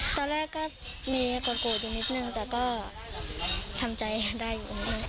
ตอนแรกก็มีคนโกรธอยู่นิดนึงแต่ก็ทำใจได้อยู่ตรงนี้